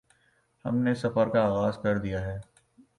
ہم نے اس سفر کا آغاز کردیا ہے